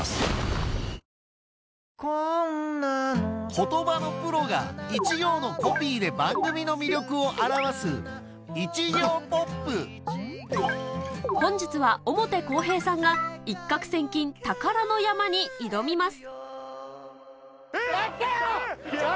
言葉のプロが一行のコピーで番組の魅力を表す本日は表公平さんが『一攫千金宝の山』に挑みます